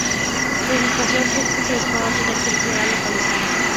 Su ubicación precisa se desconoce, ya que no se ha localizado.